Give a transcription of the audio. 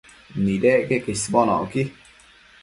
Nidec queque isbonocqui